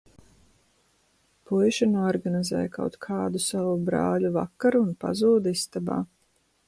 Puiši noorganizē kaut kādu savu "brāļu vakaru" un pazūd istabā.